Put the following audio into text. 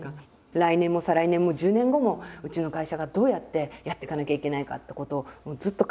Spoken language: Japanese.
来年も再来年も１０年後もうちの会社がどうやってやってかなきゃいけないかってことをずっと考えてますよね。